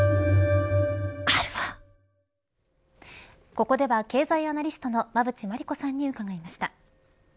ここでは経済アナリストの馬渕磨理子さんに伺いました。